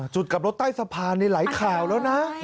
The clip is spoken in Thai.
จุดกลับรถใต้สะพานในหลายข่าวแล้วนะ